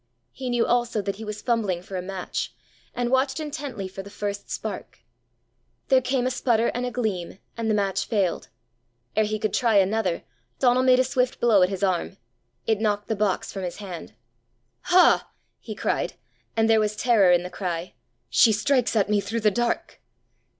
He knew also that he was fumbling for a match, and watched intently for the first spark. There came a sputter and a gleam, and the match failed. Ere he could try another, Donal made a swift blow at his arm. It knocked the box from his hand. "Ha!" he cried, and there was terror in the cry, "she strikes at me through the dark!"